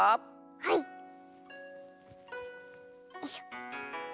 はい！よいしょ。